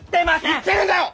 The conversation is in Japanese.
言ってるんだよ！